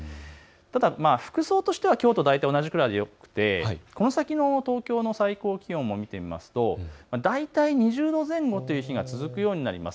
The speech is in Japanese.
ただ服装としてはきょうと同じぐらいでよくてこの先の東京の最高気温も見てみると大体２０度前後という日が続くようになります。